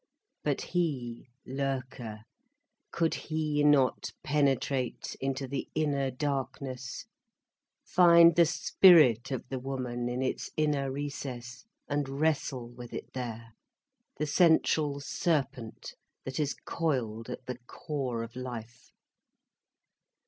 But he Loerke, could he not penetrate into the inner darkness, find the spirit of the woman in its inner recess, and wrestle with it there, the central serpent that is coiled at the core of life.